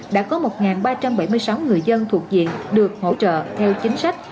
đã có một ba trăm bảy mươi sáu người dân thuộc diện được hỗ trợ theo chính sách